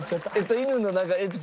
犬のなんかエピソード。